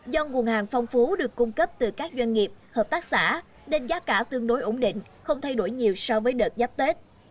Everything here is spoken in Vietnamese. do nguồn hàng phong phú được cung cấp từ các doanh nghiệp hợp tác xã nên giá cả tương đối ổn định không thay đổi nhiều so với đợt dắp tết